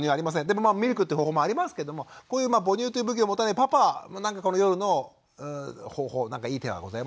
でもミルクって方法もありますけどもこういう母乳という武器を持たないパパ夜の方法何かいい手はございますかね？